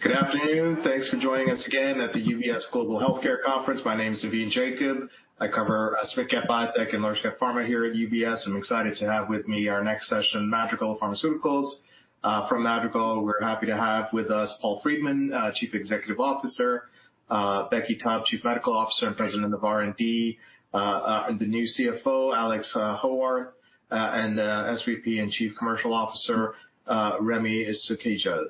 Good afternoon. Thanks for joining us again at the UBS Global Healthcare Conference. My name is Navin Jacob. I cover SMID-cap biotech and large cap pharma here at UBS. I'm excited to have with me our next session, Madrigal Pharmaceuticals. From Madrigal, we're happy to have with us Paul Friedman, Chief Executive Officer, Becky Taub, Chief Medical Officer and President of R&D, the new CFO, Alex Howarth, and SVP and Chief Commercial Officer, Remy Sukhija.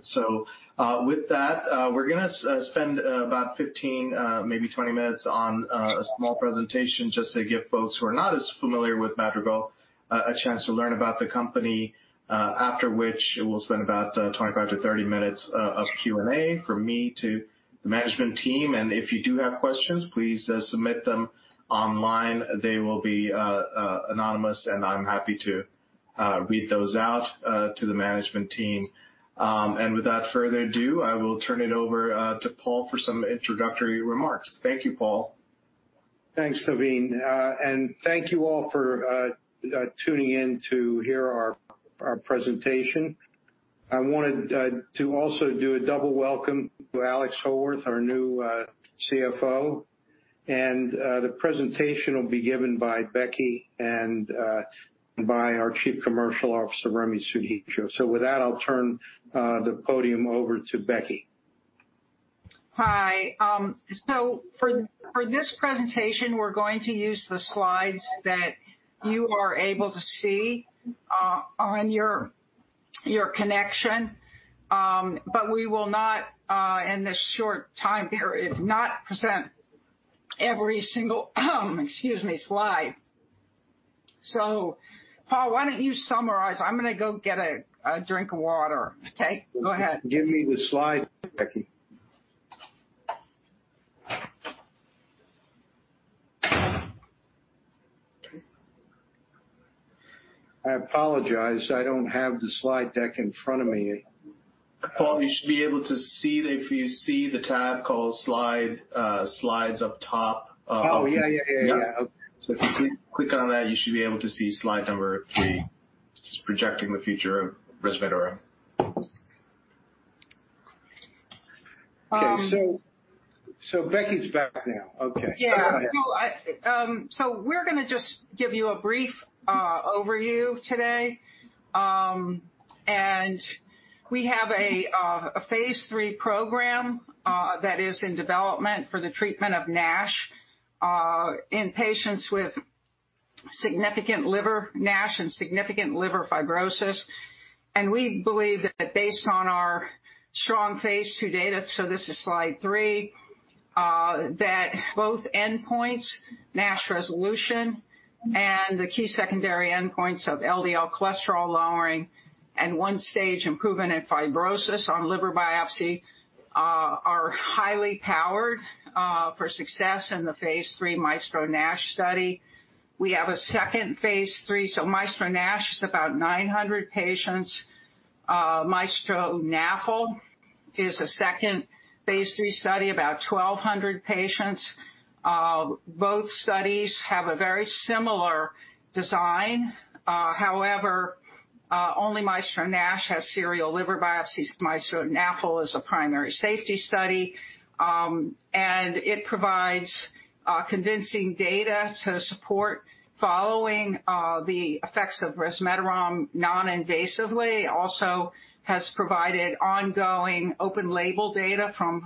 With that, we're going to spend about 15, maybe 20 minutes on a small presentation just to give folks who are not as familiar with Madrigal a chance to learn about the company, after which we will spend about 25-30 minutes of Q&A from me to the management team. If you do have questions, please submit them online. They will be anonymous and I'm happy to read those out to the management team. Without further ado, I will turn it over to Paul for some introductory remarks. Thank you, Paul. Thanks, Navin, and thank you all for tuning in to hear our presentation. I wanted to also do a double welcome to Alex Howarth, our new CFO, and the presentation will be given by Becky and by our Chief Commercial Officer, Remy Sukhija. With that, I'll turn the podium over to Becky. Hi. For this presentation, we're going to use the slides that you are able to see on your connection. We will not, in this short time here, present every single slide. Paul, why don't you summarize? I'm going to go get a drink of water. Okay, go ahead. Give me the slide, Becky. I apologize, I don't have the slide deck in front of me. Paul, you should be able to see that if you see the tab called Slides up top. Oh, yeah. If you click on that, you should be able to see slide number three, which is projecting the future of resmetirom. Becky's back now. Okay. Yeah. We're going to just give you a brief overview today. We have a phase III program that is in development for the treatment of NASH in patients with significant liver NASH and significant liver fibrosis. We believe that based on our strong phase II data, this is slide three, that both endpoints, NASH resolution, and the key secondary endpoints of LDL cholesterol lowering and one-stage improvement in fibrosis on liver biopsy are highly powered for success in the phase III MAESTRO-NASH study. We have a second phase III. MAESTRO-NASH is about 900 patients. MAESTRO-NAFLD-1 is a second phase III study, about 1,200 patients. Both studies have a very similar design. However, only MAESTRO-NASH has serial liver biopsies. MAESTRO-NAFLD-1 is a primary safety study, and it provides convincing data to support following the effects of resmetirom non-invasively. Also has provided ongoing open label data from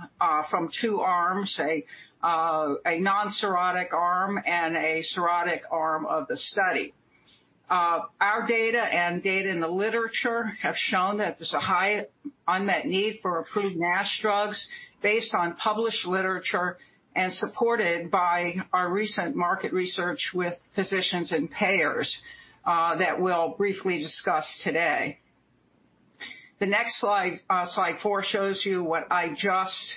two arms, a non-cirrhotic arm, and a cirrhotic arm of the study. Our data and data in the literature have shown that there's a high unmet need for approved NASH drugs based on published literature and supported by our recent market research with physicians and payers that we'll briefly discuss today. The next slide four, shows you what I just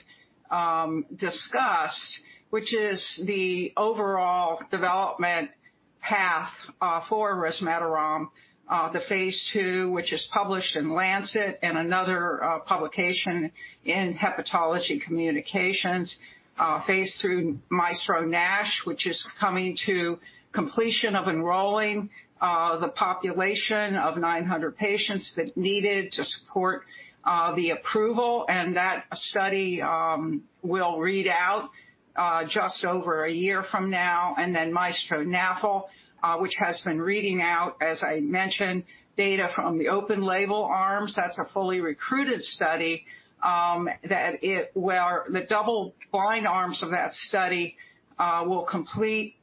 discussed, which is the overall development path for resmetirom, the phase II, which is published in The Lancet and another publication in Hepatology Communications, phase III MAESTRO-NASH, which is coming to completion of enrolling the population of 900 patients that's needed to support the approval. That study will read out just over one year from now. Then MAESTRO-NAFL, which has been reading out, as I mentioned, data from the open label arms. That's a fully recruited study, where the double-blind arms of that study will complete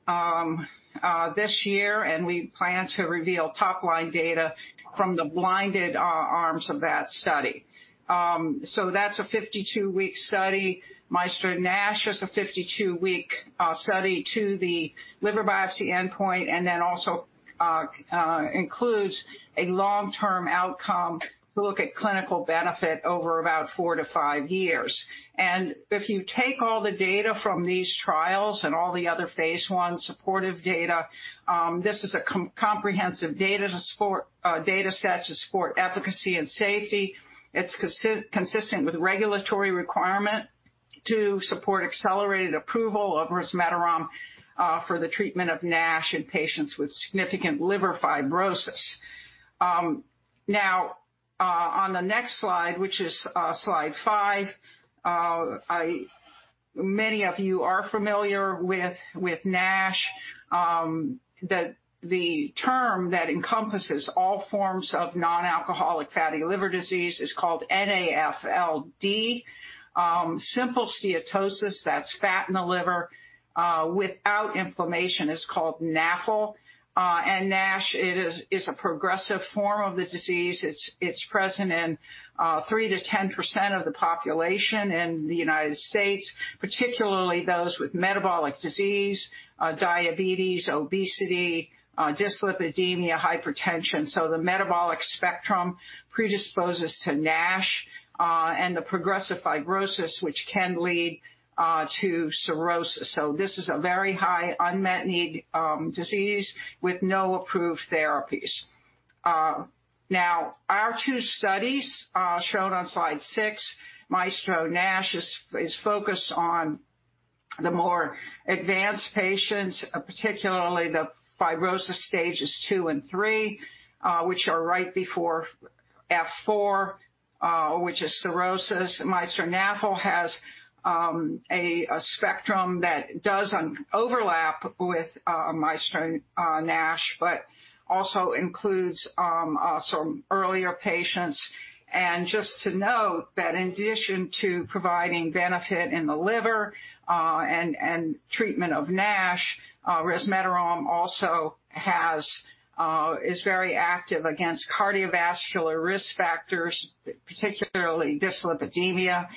this year, and we plan to reveal top-line data from the blinded arms of that study. That's a 52-week study. MAESTRO-NASH is a 52-week study to the liver biopsy endpoint, and then also includes a long-term outcome to look at clinical benefit over about four to five years. If you take all the data from these trials and all the other phase I supportive data, this is a comprehensive data set to support efficacy and safety. It's consistent with regulatory requirement to support accelerated approval of resmetirom for the treatment of NASH in patients with significant liver fibrosis. On the next slide, which is slide five, many of you are familiar with NASH. The term that encompasses all forms of non-alcoholic fatty liver disease is called NAFLD. Simple steatosis, that's fat in the liver without inflammation, is called NAFL. NASH is a progressive form of the disease. It's present in 3% to 10% of the population in the United States, particularly those with metabolic disease, diabetes, obesity, dyslipidemia, hypertension. The metabolic spectrum predisposes to NASH, and the progressive fibrosis, which can lead to cirrhosis. This is a very high unmet need disease with no approved therapies. Our two studies, shown on slide six, MAESTRO-NASH, is focused on the more advanced patients, particularly the fibrosis stages two and three, which are right before F4, which is cirrhosis. MAESTRO-NAFLD-1 has a spectrum that does overlap with MAESTRO-NASH but also includes some earlier patients. Just to note that in addition to providing benefit in the liver, and treatment of NASH, resmetirom also is very active against cardiovascular risk factors, particularly dyslipidemia.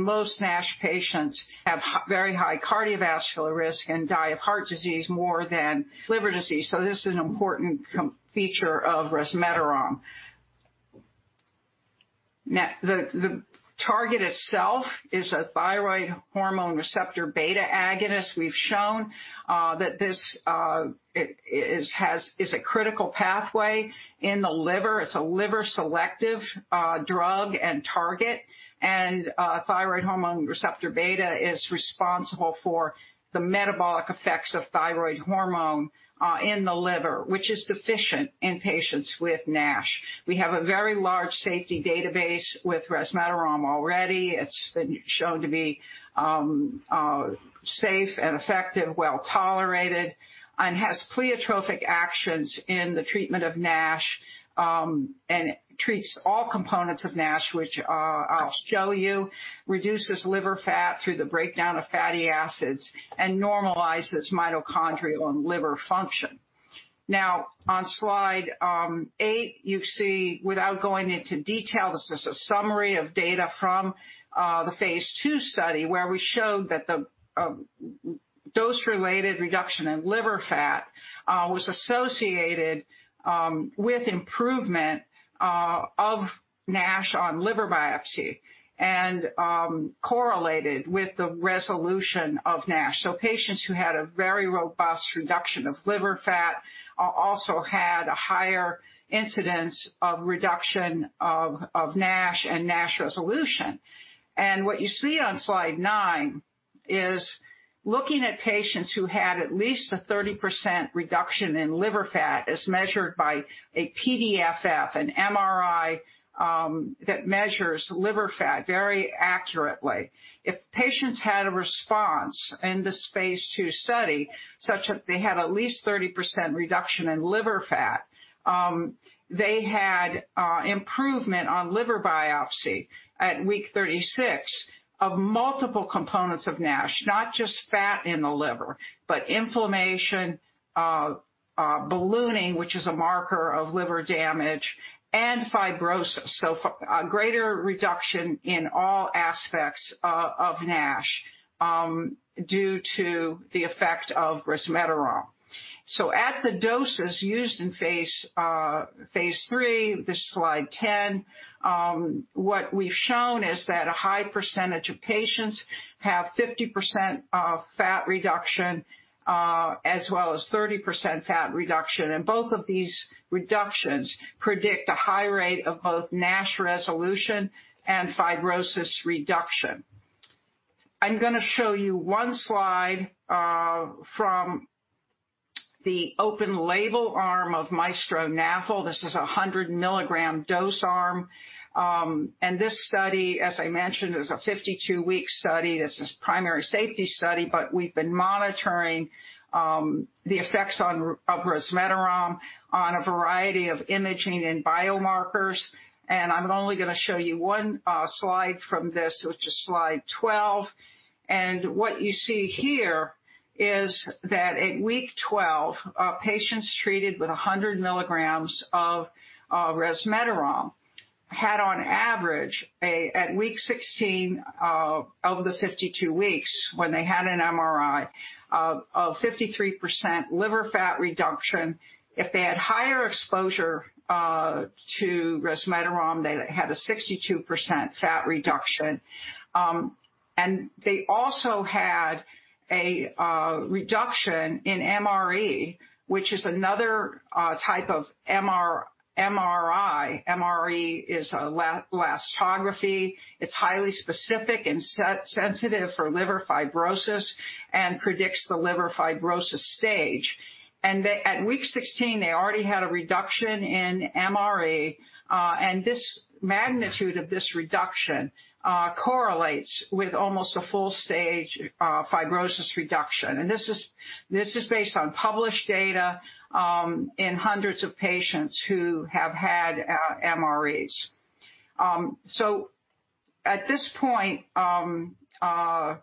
Most NASH patients have very high cardiovascular risk and die of heart disease more than liver disease. This is an important feature of resmetirom. The target itself is a thyroid hormone receptor beta agonist. We've shown that this is a critical pathway in the liver. It's a liver-selective drug and target, and thyroid hormone receptor beta is responsible for the metabolic effects of thyroid hormone in the liver, which is deficient in patients with NASH. We have a very large safety database with resmetirom already. It's been shown to be safe and effective, well-tolerated, and has pleiotropic actions in the treatment of NASH. It treats all components of NASH, which I'll show you, reduces liver fat through the breakdown of fatty acids and normalizes mitochondrial and liver function. On slide eight, you see, without going into detail, this is a summary of data from the phase II study where we showed that the dose-related reduction in liver fat was associated with improvement of NASH on liver biopsy and correlated with the resolution of NASH. Patients who had a very robust reduction of liver fat also had a higher incidence of reduction of NASH and NASH resolution. What you see on slide nine is looking at patients who had at least a 30% reduction in liver fat as measured by a PDFF, an MRI that measures liver fat very accurately. If patients had a response in this phase II study, such that they had at least 30% reduction in liver fat, they had improvement on liver biopsy at week 36 of multiple components of NASH, not just fat in the liver but inflammation, ballooning, which is a marker of liver damage, and fibrosis. A greater reduction in all aspects of NASH due to the effect of resmetirom. At the doses used in phase III, this is slide 10, what we've shown is that a high percentage of patients have 50% fat reduction as well as 30% fat reduction, and both of these reductions predict a high rate of both NASH resolution and fibrosis reduction. I'm going to show you one slide from the open label arm of MAESTRO-NAFLD-1. This is 100-milligram dose arm. This study, as I mentioned, is a 52-week study. This is primary safety study, but we've been monitoring the effects of resmetirom on a variety of imaging and biomarkers. I'm only going to show you one slide from this, which is slide 12. What you see here is that at week 12, patients treated with 100 milligrams of resmetirom had on average at week 16 of the 52 weeks when they had an MRI, a 53% liver fat reduction. If they had higher exposure to resmetirom, they had a 62% fat reduction. They also had a reduction in MRE, which is another type of MRI. MRE is elastography. It's highly specific and sensitive for liver fibrosis and predicts the liver fibrosis stage. At week 16, they already had a reduction in MRE, and this magnitude of this reduction correlates with almost a full stage fibrosis reduction. This is based on published data in hundreds of patients who have had MREs. At this point, I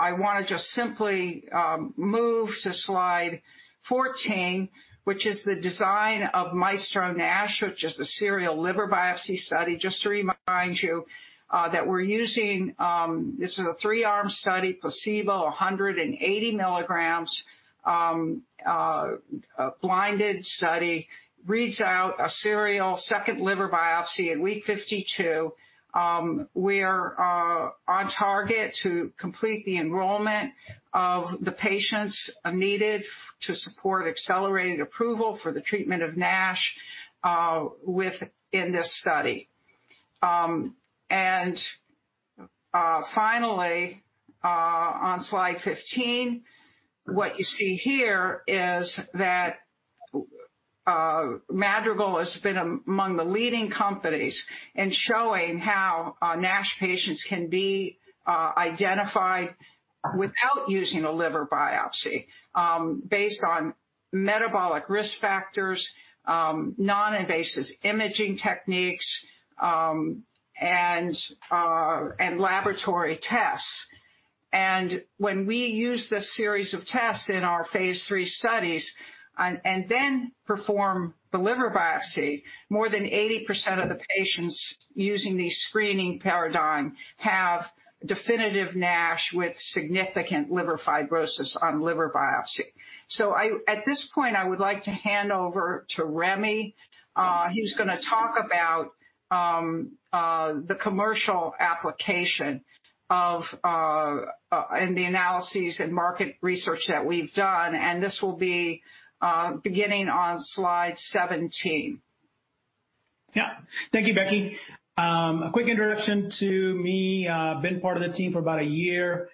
want to just simply move to slide 14, which is the design of MAESTRO-NASH, which is a serial liver biopsy study. Just to remind you that we're using, this is a three-arm study, placebo, 180 milligrams, a blinded study, reads out a serial second liver biopsy at week 52. We are on target to complete the enrollment of the patients needed to support accelerated approval for the treatment of NASH within this study. Finally, on slide 15, what you see here is that Madrigal has been among the leading companies in showing how NASH patients can be identified without using a liver biopsy based on metabolic risk factors, non-invasive imaging techniques, and laboratory tests. When we use this series of tests in our phase III studies and then perform the liver biopsy, more than 80% of the patients using the screening paradigm have definitive NASH with significant liver fibrosis on liver biopsy. At this point, I would like to hand over to Remy, who's going to talk about the commercial application of, and the analyses and market research that we've done, and this will be beginning on slide 17. Yeah. Thank you, Becky. A quick introduction to me. Been part of the team for about a year.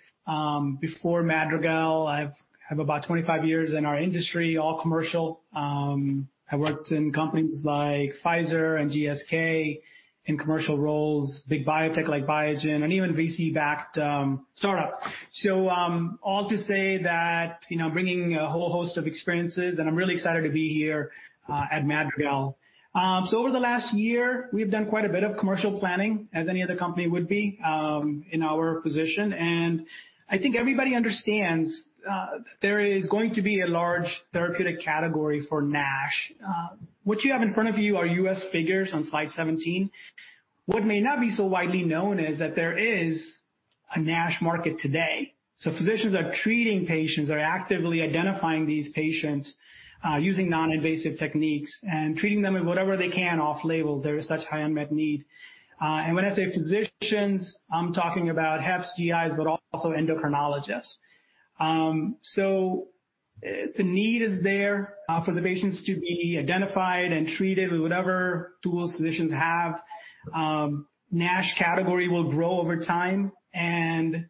Before Madrigal, I have about 25 years in our industry, all commercial. I worked in companies like Pfizer and GSK in commercial roles, big biotech like Biogen, and even VC-backed startup. All to say that, bringing a whole host of experiences, and I'm really excited to be here at Madrigal. Over the last year, we've done quite a bit of commercial planning, as any other company would be in our position. I think everybody understands that there is going to be a large therapeutic category for NASH. What you have in front of you are U.S. figures on slide 17. What may not be so widely known is that there is a NASH market today. Physicians are treating patients, are actively identifying these patients using non-invasive techniques, and treating them in whatever they can off-label. There is such high unmet need. When I say physicians, I'm talking about HEPs, GIs, but also endocrinologists. The need is there for the patients to be identified and treated with whatever tools physicians have. NASH category will grow over time. At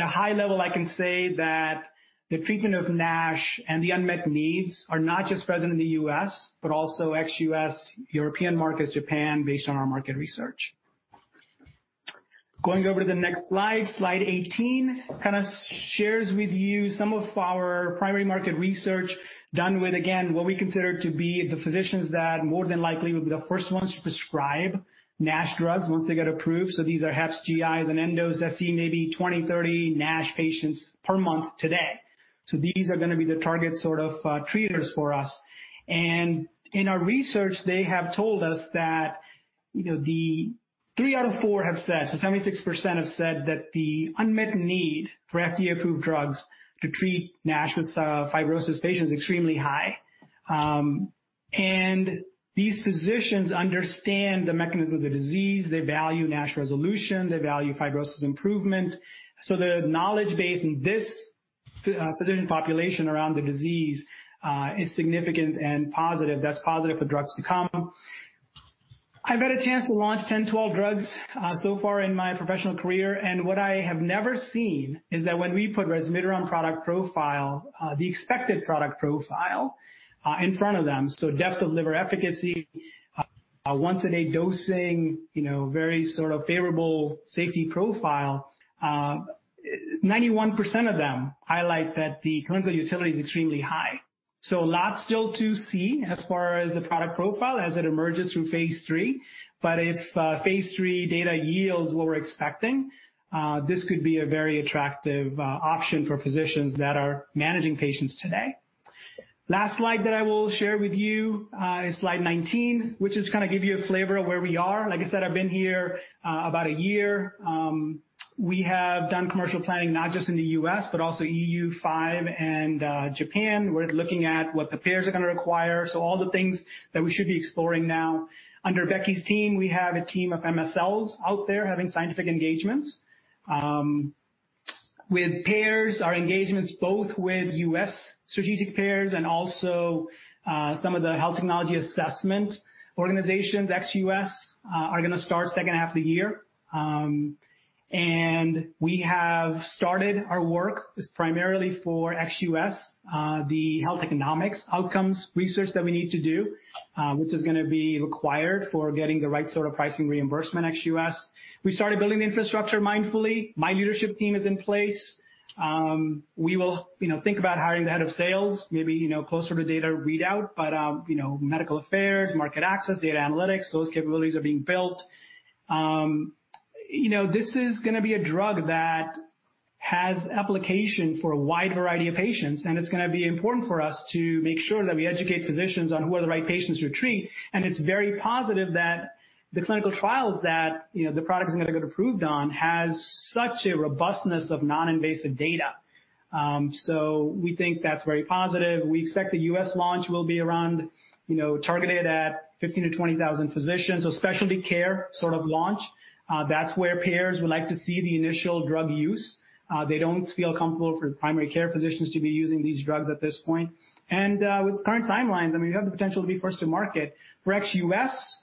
a high level, I can say that the treatment of NASH and the unmet needs are not just present in the U.S., but also ex-U.S., European markets, Japan, based on our market research. Going over to the next slide 18, kind of shares with you some of our primary market research done with, again, what we consider to be the physicians that more than likely will be the first ones to prescribe NASH drugs once they get approved. These are HEPs, GIs, and endos that see maybe 20, 30 NASH patients per month today. These are going to be the target sort of treaters for us. In our research, they have told us that, the three out of four have said, 76% have said that the unmet need for FDA-approved drugs to treat NASH with fibrosis patients is extremely high. These physicians understand the mechanism of the disease. They value NASH resolution. They value fibrosis improvement. The knowledge base in this physician population around the disease is significant and positive. That's positive for drugs to come. What I have never seen is that when we put resmetirom product profile, the expected product profile in front of them, so depth of liver efficacy, once a day dosing, very sort of favorable safety profile, 91% of them highlight that the clinical utility is extremely high. A lot still to see as far as the product profile as it emerges through phase III. If phase III data yields what we're expecting, this could be a very attractive option for physicians that are managing patients today. Last slide that I will share with you is slide 19, which is going to give you a flavor of where we are. Like I said, I've been here about a year. We have done commercial planning, not just in the U.S., but also EU5 and Japan. We're looking at what the payers are going to require. All the things that we should be exploring now. Under Becky's team, we have a team of MSLs out there having scientific engagements. With payers, our engagements both with U.S. strategic payers and also some of the health technology assessment organizations, ex-U.S., are going to start second half of the year. We have started our work primarily for ex-U.S., the health economics outcomes research that we need to do, which is going to be required for getting the right sort of pricing reimbursement ex-U.S. We started building infrastructure mindfully. My leadership team is in place. We will think about hiring the head of sales, maybe closer to data readout. Medical affairs, market access, data analytics, those capabilities are being built. This is going to be a drug that has application for a wide variety of patients. It's going to be important for us to make sure that we educate physicians on who are the right patients to treat. It's very positive that the clinical trials that the product are going to get approved on has such a robustness of non-invasive data. We think that's very positive. We expect the US launch will be around targeted at 15,000-20,000 physicians, a specialty care sort of launch. That's where payers would like to see the initial drug use. They don't feel comfortable for primary care physicians to be using these drugs at this point. With current timelines, we have the potential to be first to market. For ex-U.S.,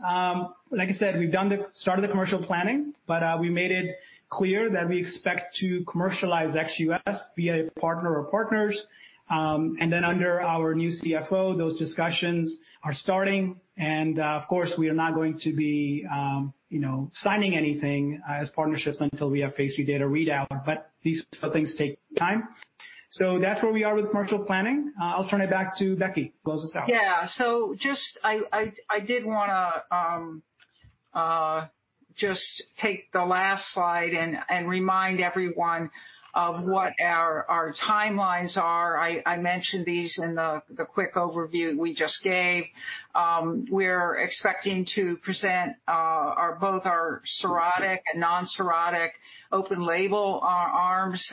like I said, we've started the commercial planning, but we made it clear that we expect to commercialize ex-U.S. via partner or partners. Under our new CFO, those discussions are starting. We are not going to be signing anything as partnerships until we have phase III data readout, but these sort of things take time. That's where we are with commercial planning. I'll turn it back to Becky to close us out. Yeah, I did want to just take the last slide and remind everyone of what our timelines are. I mentioned these in the quick overview we just gave. We're expecting to present both our cirrhotic and non-cirrhotic open label arms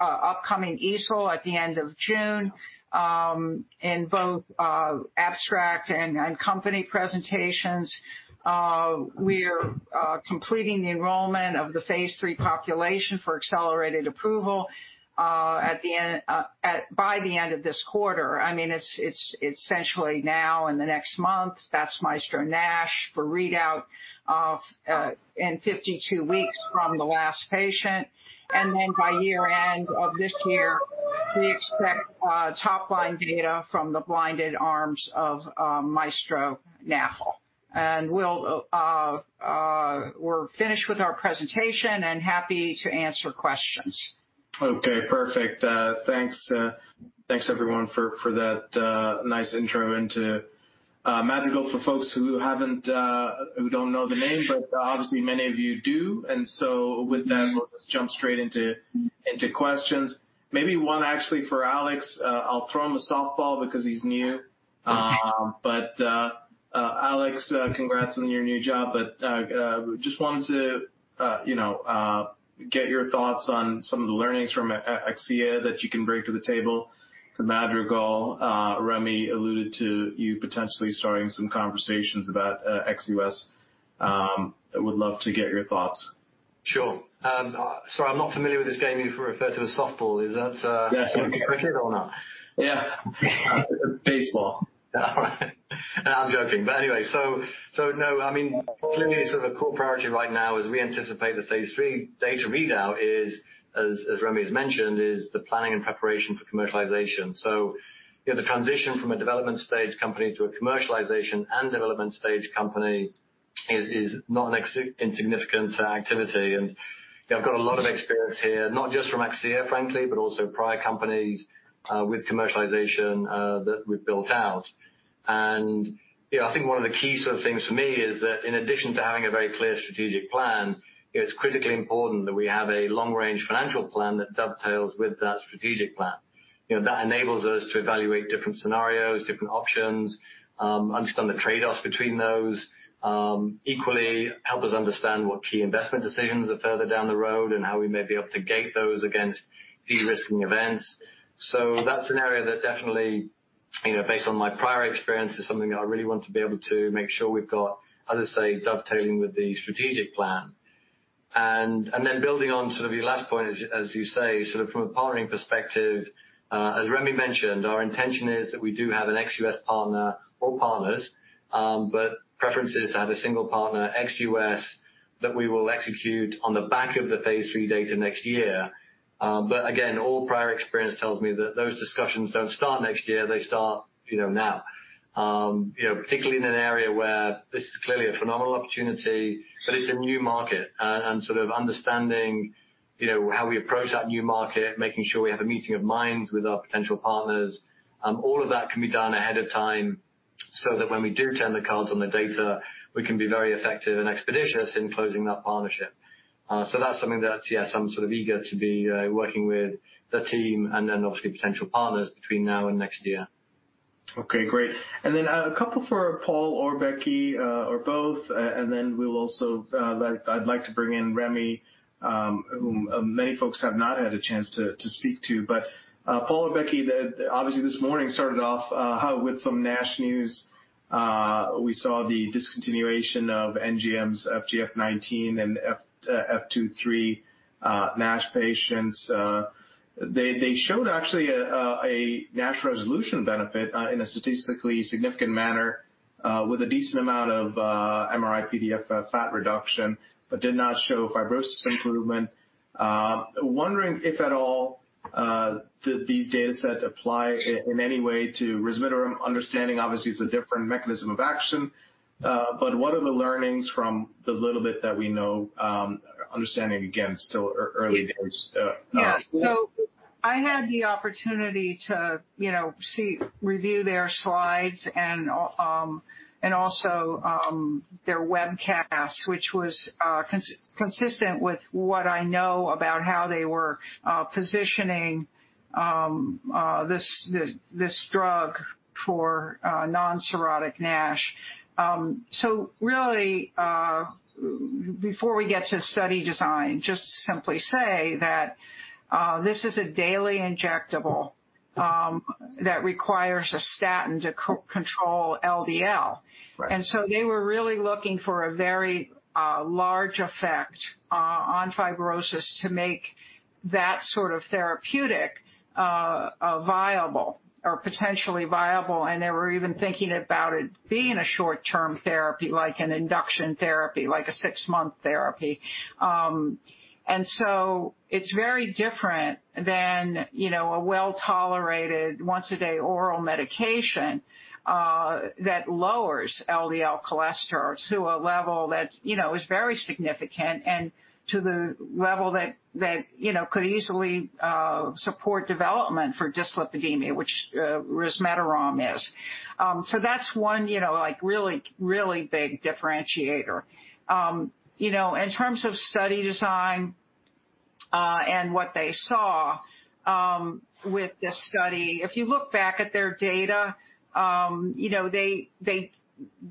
upcoming EASL at the end of June, in both abstract and company presentations. We are completing the enrollment of the phase III population for accelerated approval by the end of this quarter. I mean, it's essentially now and the next month, that's MAESTRO-NASH for readout in 52 weeks from the last patient. By year-end of this year, we expect top-line data from the blinded arms of MAESTRO-NAFL. We're finished with our presentation and happy to answer questions. Okay, perfect. Thanks everyone for that nice intro into Madrigal for folks who don't know the name, but obviously many of you do. With them, let's jump straight into questions. Maybe one actually for Alex. I'll throw him a softball because he's new. Alex, congrats on your new job. Just wanted to get your thoughts on some of the learnings from Axcella that you can bring to the table for Madrigal. Remy alluded to you potentially starting some conversations about ex-U.S. I would love to get your thoughts. Sure. I'm not familiar with this game you referred to as softball. Is that something to be feared or not? Yeah. Baseball. No, I'm joking. Anyway, no, clearly sort of core priority right now as we anticipate the phase III data readout is, as Remy's mentioned, is the planning and preparation for commercialization. The transition from a development stage company to a commercialization and development stage company is not an insignificant activity. I've got a lot of experience here, not just from Axcella, frankly, but also prior companies with commercialization that we've built out. I think one of the key sort of things for me is that in addition to having a very clear strategic plan, it's critically important that we have a long-range financial plan that dovetails with that strategic plan. That enables us to evaluate different scenarios, different options, understand the trade-offs between those. Equally, help us understand what key investment decisions are further down the road and how we may be able to gate those against de-risking events. That's an area that definitely, based on my prior experience, is something I really want to be able to make sure we've got, as I say, dovetailing with the strategic plan. Building on sort of your last point, as you say, sort of from a partnering perspective, as Remy mentioned, our intention is that we do have an ex-US partner or partners, but preference is to have a single partner, ex-US, that we will execute on the back of the phase III data next year. Again, all prior experience tells me that those discussions don't start next year, they start now. Particularly in an area where this is clearly a phenomenal opportunity, but it's a new market, and sort of understanding how we approach that new market, making sure we have a meeting of minds with our potential partners. All of that can be done ahead of time so that when we do turn the cards on the data, we can be very effective and expeditious in closing that partnership. That's something that, yeah, I'm sort of eager to be working with the team and then obviously potential partners between now and next year. Okay, great. A couple for Paul Friedman or Becky Taub, or both, and then I'd like to bring in Remy Sukhija, whom many folks have not had a chance to speak to. Paul Friedman or Becky Taub, obviously this morning started off with some NASH news. We saw the discontinuation of NGM's FGF19 and F2/F3 NASH patients. They showed actually a NASH resolution benefit in a statistically significant manner. With a decent amount of MRI-PDFF fat reduction, but did not show fibrosis improvement. I am wondering if at all, did these data set apply in any way to resmetirom understanding. Obviously, it's a different mechanism of action, but what are the learnings from the little bit that we know, understanding, again, still early days? I had the opportunity to review their slides and also, their webcast, which was consistent with what I know about how they were positioning this drug for non-cirrhotic NASH. Really, before we get to study design, just simply say that this is a daily injectable that requires a statin to control LDL. Right. They were really looking for a very large effect on fibrosis to make that sort of therapeutic viable or potentially viable, and they were even thinking about it being a short-term therapy, like an induction therapy, like a six-month therapy. It's very different than a well-tolerated once-a-day oral medication that lowers LDL cholesterol to a level that is very significant and to the level that could easily support development for dyslipidemia, which resmetirom is. That's one really big differentiator. In terms of study design and what they saw with this study, if you look back at their data,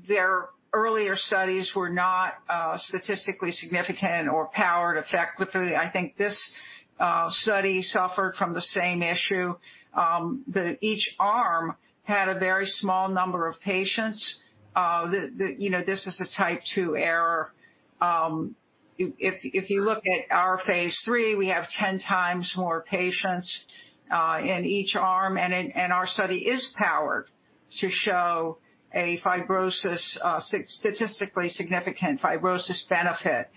their earlier studies were not statistically significant or powered effectively. I think this study suffered from the same issue, that each arm had a very small number of patients. This is a Type II error. If you look at our phase III, we have 10 times more patients in each arm, and our study is powered to show a statistically significant fibrosis benefit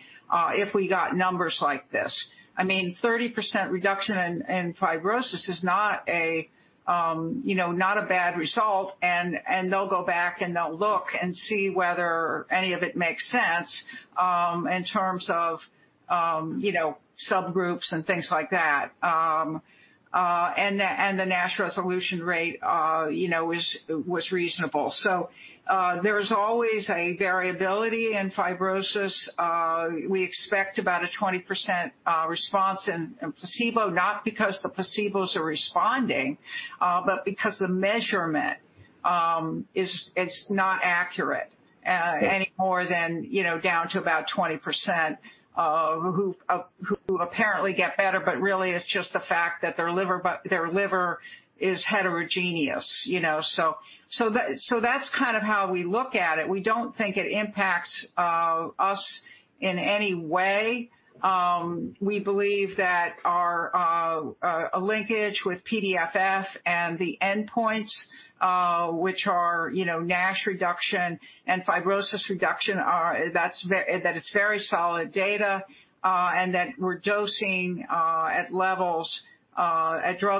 if we got numbers like this. I mean, 30% reduction in fibrosis is not a bad result, and they'll go back and they'll look and see whether any of it makes sense in terms of subgroups and things like that. The NASH resolution rate was reasonable. There's always a variability in fibrosis. We expect about a 20% response in placebo, not because the placebos are responding, but because the measurement is not accurate any more than down to about 20%, who apparently get better, but really it's just the fact that their liver is heterogeneous. That's kind of how we look at it. We don't think it impacts us in any way. We believe that our linkage with PDFF and the endpoints, which are NASH reduction and fibrosis reduction, that it's very solid data, and that we're dosing at drug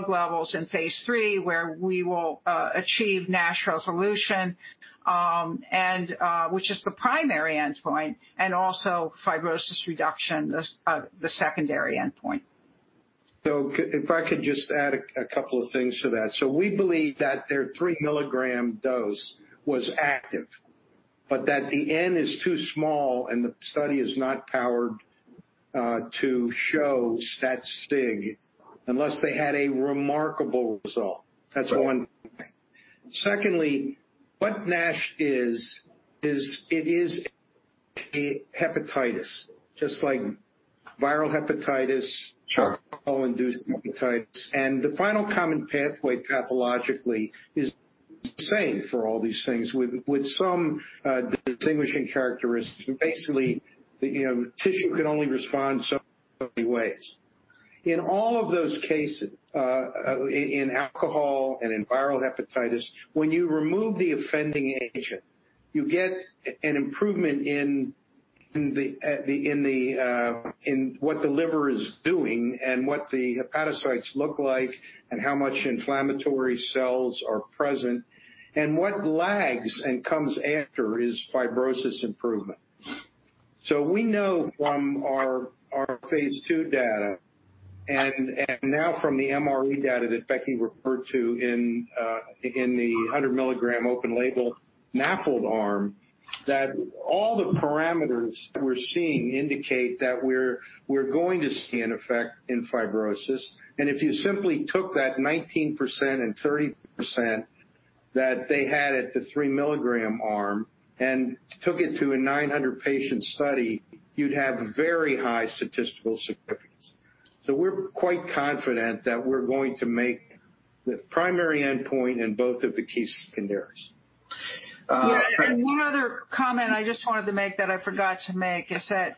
levels in phase III, where we will achieve NASH resolution, which is the primary endpoint, and also fibrosis reduction as the secondary endpoint. If I could just add a couple of things to that. We believe that their three-milligram dose was active, but that the N is too small and the study is not powered to show stat sig unless they had a remarkable result. That's one thing. Secondly, what NASH is it is a hepatitis, just like viral hepatitis. Sure. The final common pathway pathologically is the same for all these things with some distinguishing characteristics. Basically, the tissue can only respond so many ways. In all of those cases, in alcohol and in viral hepatitis, when you remove the offending agent, you get an improvement in what the liver is doing and what the hepatocytes look like and how much inflammatory cells are present, and what lags and comes after is fibrosis improvement. We know from our phase II data, and now from the MRE data that Becky referred to in the 100-milligram open-label NAFLD arm, that all the parameters that we're seeing indicate that we're going to see an effect in fibrosis. If you simply took that 19% and 30% that they had at the 3-milligram arm and took it to a 900-patient study, you'd have very high statistical significance. We're quite confident that we're going to make the primary endpoint and both of the key secondaries. Yeah. Comment I just wanted to make that I forgot to make is that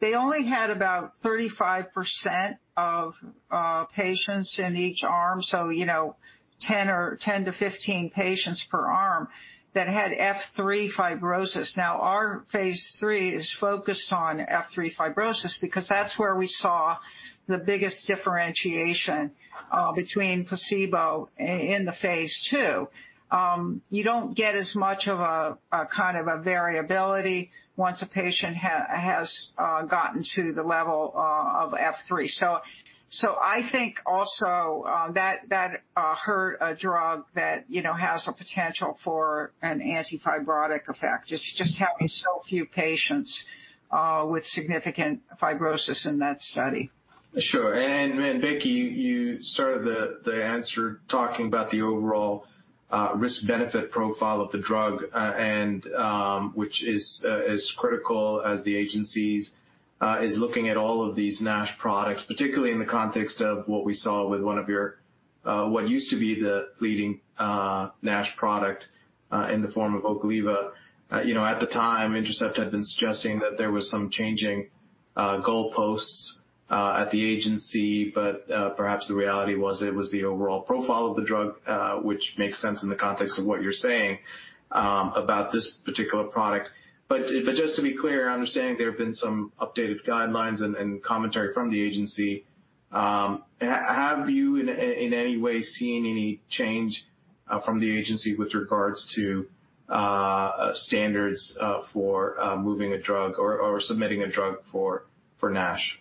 they only had about 35% of patients in each arm, so 10-15 patients per arm that had F3 fibrosis. Now, our phase III is focused on F3 fibrosis because that's where we saw the biggest differentiation between placebo in the phase II. You don't get as much of a variability once a patient has gotten to the level of F3. I think also that hurt a drug that has a potential for an anti-fibrotic effect, is just having so few patients with significant fibrosis in that study. Sure. Becky, you started the answer talking about the overall risk-benefit profile of the drug which is as critical as the agency is looking at all of these NASH products, particularly in the context of what we saw with one of your, what used to be the leading NASH product, in the form of Ocaliva. At the time, Intercept had been suggesting that there was some changing goalposts at the agency, perhaps the reality was it was the overall profile of the drug, which makes sense in the context of what you're saying about this particular product. Just to be clear, I understand there have been some updated guidelines and commentary from the agency. Have you in any way seen any change from the agency with regards to standards for moving a drug or submitting a drug for NASH?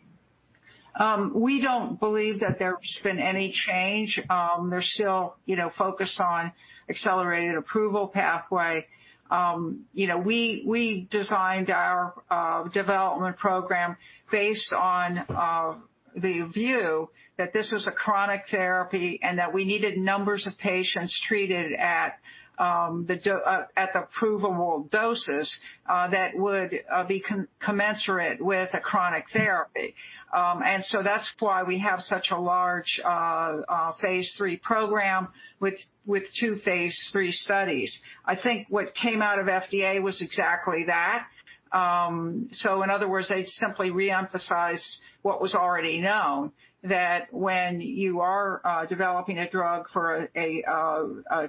We don't believe that there's been any change. They're still focused on accelerated approval pathway. We designed our development program based on the view that this is a chronic therapy and that we needed numbers of patients treated at approvable doses that would be commensurate with a chronic therapy. That's why we have such a large phase III program with two phase III studies. I think what came out of FDA was exactly that. In other words, they simply reemphasized what was already known, that when you are developing a drug for a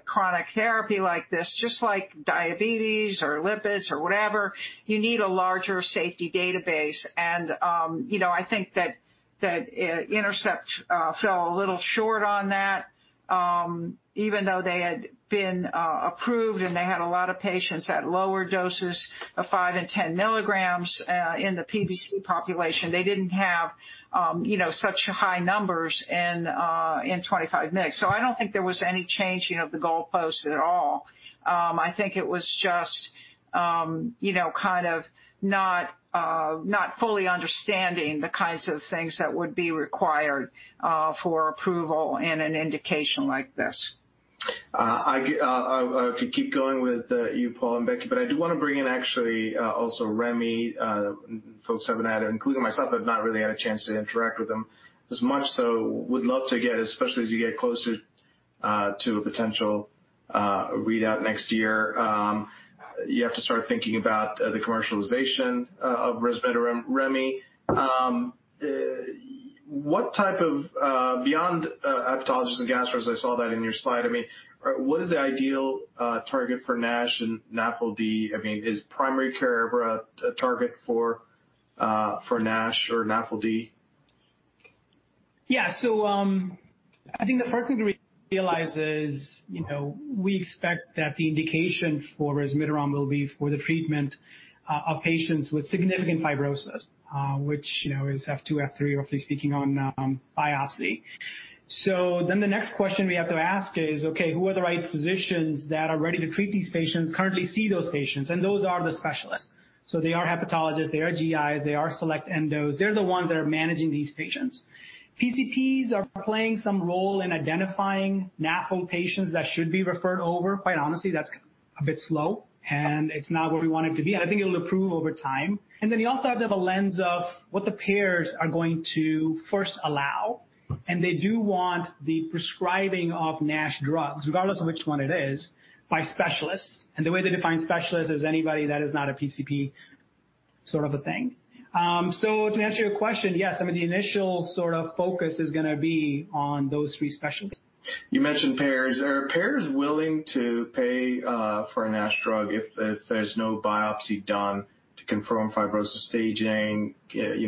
chronic therapy like this, just like diabetes or lipids or whatever, you need a larger safety database. I think that Intercept fell a little short on that, even though they had been approved and they had a lot of patients at lower doses of five and 10 milligrams in the PBC population. They didn't have such high numbers in 25 mg. I don't think there was any changing of the goalposts at all. I think it was just not fully understanding the kinds of things that would be required for approval in an indication like this. I could keep going with you, Paul and Becky, but I do want to bring in actually also Remy. Folks haven't had, including myself, have not really had a chance to interact with him as much. Would love to get, especially as you get closer to a potential readout next year, you have to start thinking about the commercialization of resmetirom, Remy. What type of, beyond hepatologists and gastros, I saw that in your slide, what is the ideal target for NASH and NAFLD? Is primary care a target for NASH or NAFLD? Yeah. I think the first thing to realize is we expect that the indication for resmetirom will be for the treatment of patients with significant fibrosis, which is F2, F3, roughly speaking, on biopsy. The next question we have to ask is, okay, who are the right physicians that are ready to treat these patients currently see those patients, and those are the specialists. They are hepatologists, they are GIs, they are select endos. They're the ones that are managing these patients. PCPs are playing some role in identifying NAFL patients that should be referred over. Quite honestly, that's a bit slow, and it's not where we want it to be. I think it'll improve over time. You also have the lens of what the payers are going to first allow, and they do want the prescribing of NASH drugs, regardless of which one it is, by specialists. The way they define specialists is anybody that is not a PCP sort of a thing. To answer your question, yes, I mean initial sort of focus is going to be on those three specialists. You mentioned payers. Are payers willing to pay for a NASH drug if there's no biopsy done to confirm fibrosis staging? If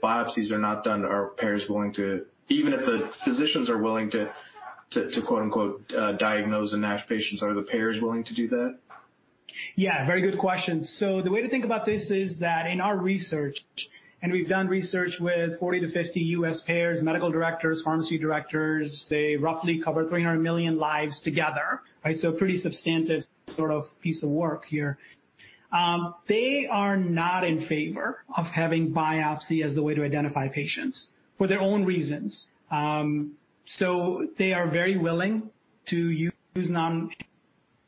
biopsies are not done, even if the physicians are willing to quote unquote "diagnose a NASH patient," are the payers willing to do that? Yeah, very good question. The way to think about this is that in our research, and we've done research with 40 to 50 U.S. payers, medical directors, pharmacy directors, they roughly cover 300 million lives together. Pretty substantive sort of piece of work here. They are not in favor of having biopsy as the way to identify patients for their own reasons. They are very willing to use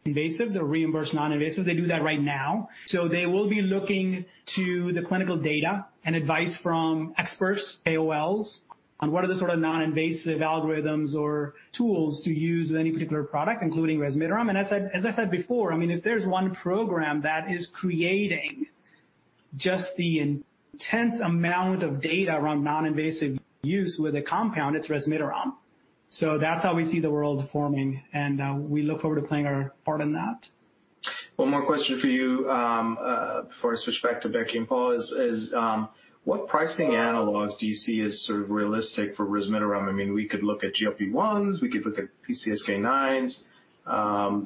non-invasives or reimbursed non-invasives, they do that right now. They will be looking to the clinical data and advice from experts, KOLs, on what are the sort of non-invasive algorithms or tools to use any particular product, including resmetirom. As I said before, if there's one program that is creating just the intense amount of data around non-invasive use with a compound, it's resmetirom. That's how we see the world forming, and we look forward to playing our part in that. One more question for you, first with respect to Becky and Paul, is what pricing analogs do you see as sort of realistic for resmetirom? We could look at GLP-1s, we could look at PCSK9s.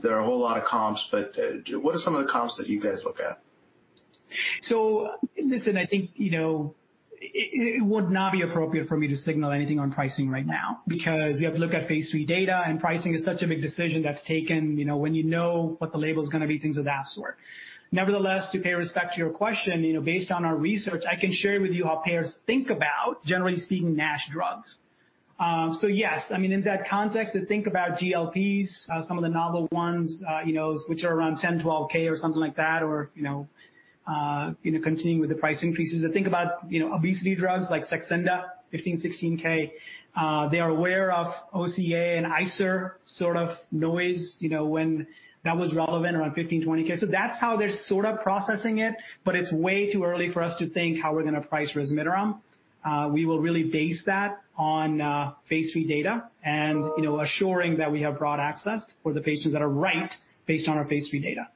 There are a whole lot of comps, what are some of the comps that you guys look at? Listen, I think, it would not be appropriate for me to signal anything on pricing right now because we have to look at phase III data, and pricing is such a big decision that's taken, when you know what the label's going to be, things of that sort. Nevertheless, to pay respect to your question, based on our research, I can share with you how payers think about generally seeing NASH drugs. Yes, in that context, they think about GLPs, some of the novel ones, which are around $10K, $12K or something like that, or continue with the price increases. They think about obesity drugs like Saxenda, $15K, $16K. They're aware of OCA and ICER sort of noise, when that was relevant around $15K, $20K. That's how they're sort of processing it, but it's way too early for us to think how we're going to price resmetirom. We will really base that on phase III data and assuring that we have broad access for the patients that are ranked based on our phase III data.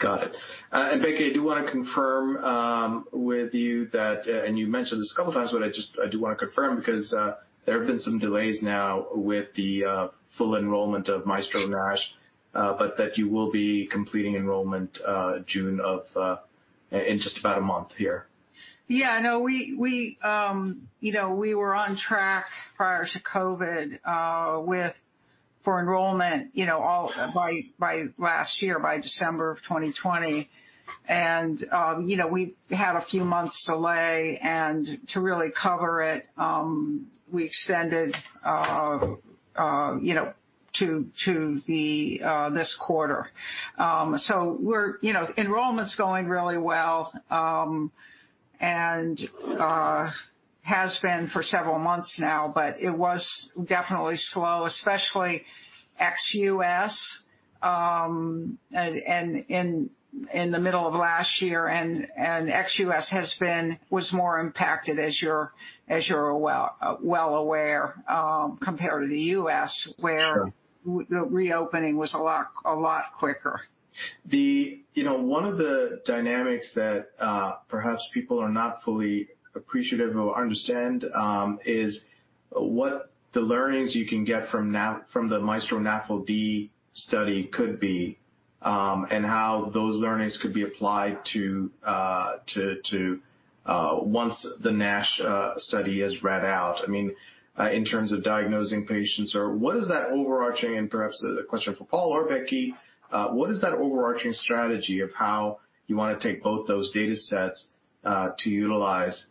Got it. Becky, I do want to confirm with you that, and you mentioned this a couple times, but I do want to confirm because there have been some delays now with the full enrollment of MAESTRO-NAFLD-1, but that you will be completing enrollment June in just about a month here. Yeah. No, we were on track prior to COVID, for enrollment, by last year, by December of 2020. We had a few months delay, and to really cover it, we extended to this quarter. Enrollment's going really well, and has been for several months now, but it was definitely slow, especially ex-U.S., in the middle of last year. Ex-U.S. was more impacted as you're well aware, compared to the U.S. where. Sure The reopening was a lot quicker. One of the dynamics that perhaps people are not fully appreciative of or understand, is what the learnings you can get from the MAESTRO-NAFLD-1 study could be, and how those learnings could be applied to once the NASH study is read out. In terms of diagnosing patients or what is that overarching, and perhaps a question for Paul or Becky, what is that overarching strategy of how you want to take both those datasets to utilize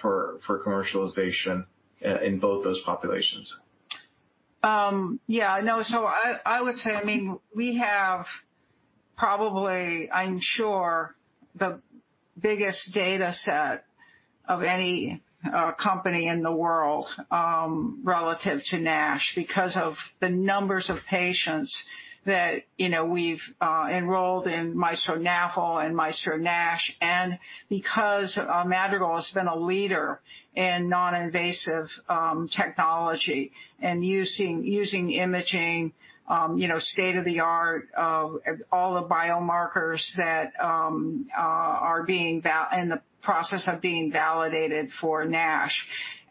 for commercialization in both those populations? Yeah, no. I would say, we have probably, I'm sure, the biggest dataset of any company in the world, relative to NASH because of the numbers of patients that we've enrolled in MAESTRO NAFL and MAESTRO NASH and because Madrigal has been a leader in non-invasive technology and using imaging, state-of-the-art, all the biomarkers that are in the process of being validated for NASH.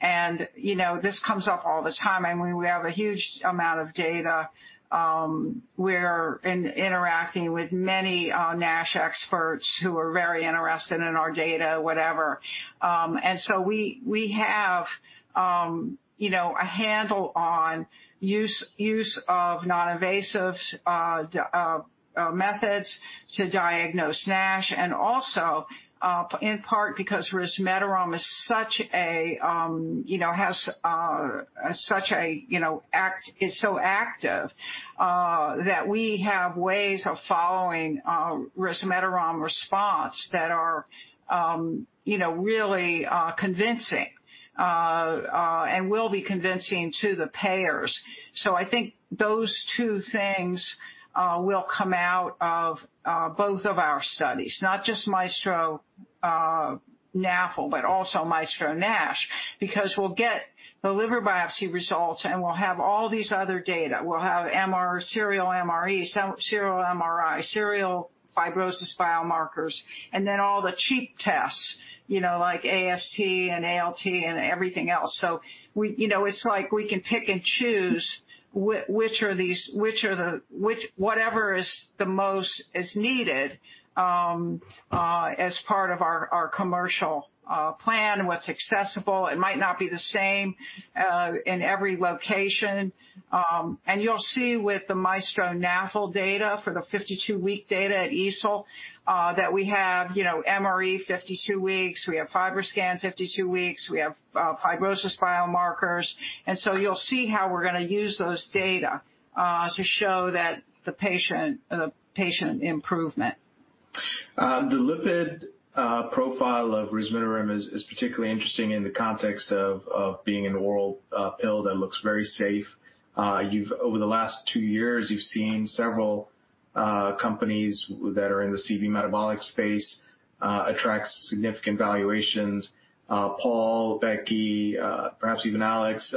This comes up all the time. We have a huge amount of data. We're interacting with many NASH experts who are very interested in our data. We have a handle on use of non-invasive methods to diagnose NASH and also, in part because resmetirom is so active, that we have ways of following resmetirom response that are really convincing, and will be convincing to the payers. I think those two things will come out of both of our studies, not just MAESTRO-NAFLD-1, but also MAESTRO-NASH. We'll get the liver biopsy results, and we'll have all these other data. We'll have serial MREs, serial MRI, serial fibrosis biomarkers, and then all the cheap tests, like AST and ALT and everything else. It's like we can pick and choose whatever is most is needed, as part of our commercial plan, what's accessible. It might not be the same in every location. You'll see with the MAESTRO-NAFLD-1 data for the 52-week data at EASL, that we have MRE 52 weeks. We have FibroScan 52 weeks. We have fibrosis biomarkers. You'll see how we're going to use those data to show the patient improvement. The lipid profile of resmetirom is particularly interesting in the context of being an oral pill that looks very safe. Over the last two years, you've seen several companies that are in the CV metabolic space attract significant valuations. Paul, Becky, perhaps even Alex,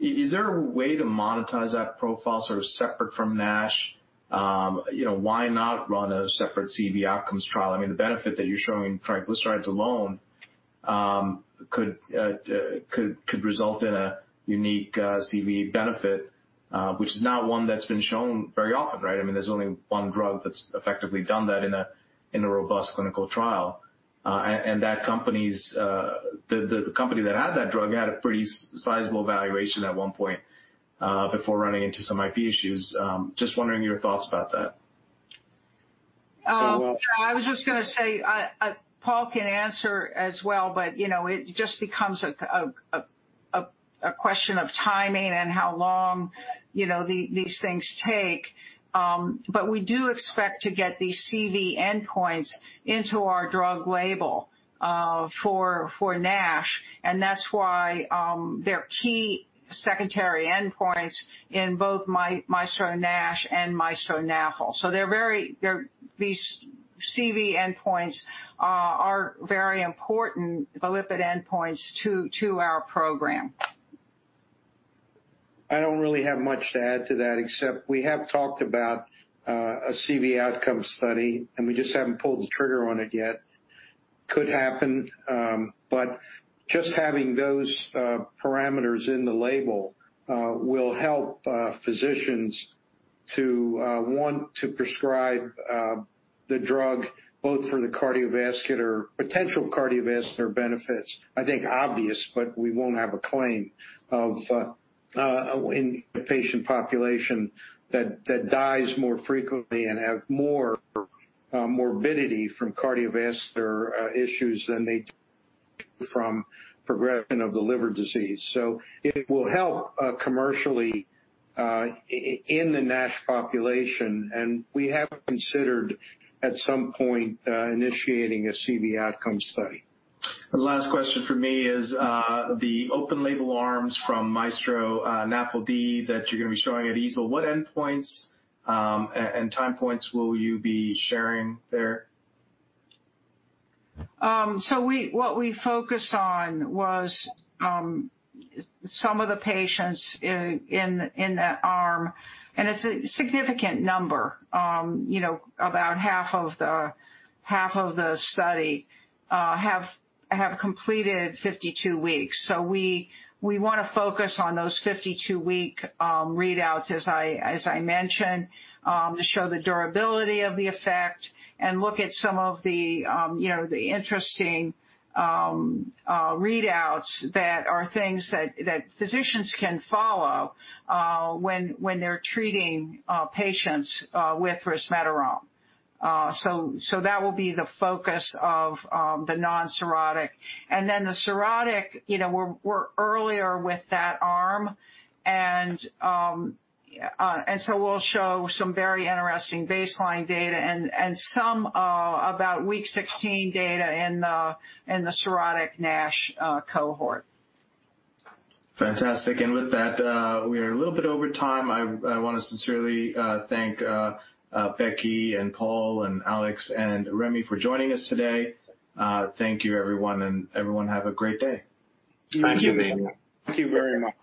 is there a way to monetize that profile sort of separate from NASH? Why not run a separate CV outcomes trial? I mean, the benefit that you're showing triglycerides alone could result in a unique CV benefit, which is not one that's been shown very often, right? I mean, there's only one drug that's effectively done that in a robust clinical trial. The company that had that drug had a pretty sizable valuation at one point before running into some IP issues. Just wondering your thoughts about that. I was just going to say, Paul can answer as well, but it just becomes a question of timing and how long these things take. We do expect to get these CV endpoints into our drug label for NASH, and that's why they're key secondary endpoints in both MAESTRO-NASH and MAESTRO-NAFL. These CV endpoints are very important, the lipid endpoints, to our program. I don't really have much to add to that except we have talked about a CV outcome study, and we just haven't pulled the trigger on it yet. Could happen, but just having those parameters in the label will help physicians to want to prescribe the drug both for the potential cardiovascular benefits. I think obvious. We won't have a claim in the patient population that dies more frequently and have more morbidity from cardiovascular issues than they do from progression of the liver disease. It will help commercially in the NASH population, and we have considered at some point initiating a CV outcome study. The last question from me is the open-label arms from MAESTRO-NAFLD that you're going to be showing at EASL. What endpoints and time points will you be sharing there? What we focused on was some of the patients in that arm, and it's a significant number. About half of the study have completed 52 weeks. We want to focus on those 52-week readouts, as I mentioned, to show the durability of the effect and look at some of the interesting readouts that are things that physicians can follow when they're treating patients with resmetirom. That will be the focus of the non-cirrhotic. The cirrhotic, we're earlier with that arm. We'll show some very interesting baseline data and some about week 16 data in the cirrhotic NASH cohort. Fantastic. With that, we are a little bit over time. I want to sincerely thank Becky Taub and Paul Friedman and Alex Howarth and Remy Sukhija for joining us today. Thank you, everyone, and everyone have a great day. Thank you. Thank you very much.